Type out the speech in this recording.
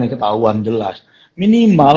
ketahuan jelas minimal